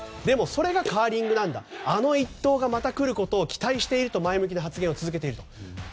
でもそれがカーリングなんだあの一投がまた来ることを期待していると前向きな発言をしていると。